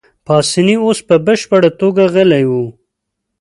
پاسیني اوس په بشپړه توګه غلی وو.